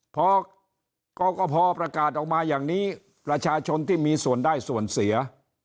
พอกกภประกาศออกมาอย่างนี้ประชาชนที่มีส่วนได้ส่วนเสีย